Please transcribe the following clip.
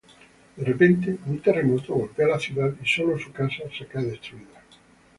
De repente un "terremoto" golpea la ciudad y solo su casa se cae destruida.